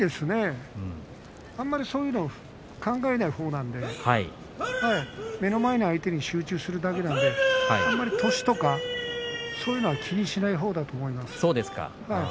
あまりそういうのは考えないほうなんで目の前の相手に集中するだけなんであまり年とかそういうのは気にしないほうだと思います。